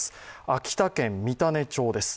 秋田県三種町です。